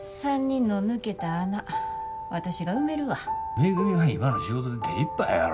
めぐみは今の仕事で手いっぱいやろ。